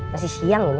masih siang ini